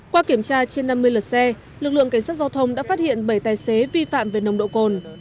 qua kiểm tra trên năm mươi lượt xe lực lượng cảnh sát giao thông đã phát hiện bảy tài xế vi phạm về nồng độ cồn